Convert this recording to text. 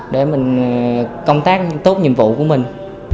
để mình công tác tốt nhiệm vụ của mình